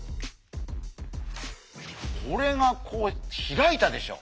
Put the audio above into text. これがこう開いたでしょ。